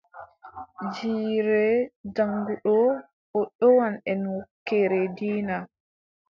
Jiire jaŋnguɗo, o ɗowan en wakkeere diina.